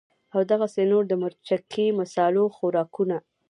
او دغسې نور د مرچکي مصالو خوراکونه